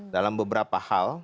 dalam beberapa hal